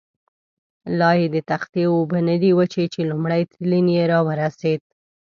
لایې د تختې اوبه نه دي وچې، چې لومړی تلین یې را ورسېد.